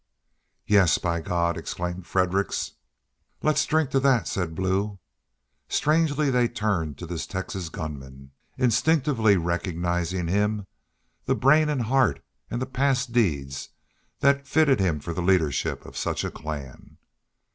"Yes, by God!" exclaimed Fredericks. "Let's drink to thet!" said Blue. Strangely they turned to this Texas gunman, instinctively recognizing in him the brain and heart, and the past deeds, that fitted him for the leadership of such a clan.